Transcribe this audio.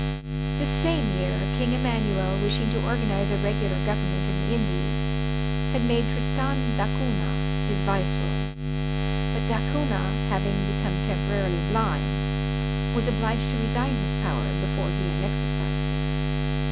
This same year, King Emmanuel wishing to organize a regular government in the Indies, had made Tristan da Cunha his viceroy, but Da Cunha having become temporarily blind was obliged to resign his power before he had exercised it.